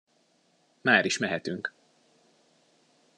Máris mehetünk!